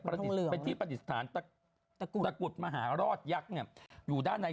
ไปที่ปฏิสถานตะกุดมหารอดยักษ์อยู่ด้านใน